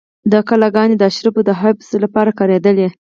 دا کلاګانې د اشرافو د حبس لپاره کارېدلې.